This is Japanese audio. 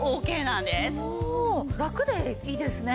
ラクでいいですね。